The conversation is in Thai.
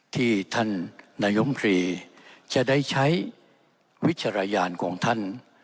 ที่ท่านนายมพรีจะได้ใช้วิจารณญาณของท่าน